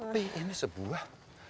tapi ini sebuah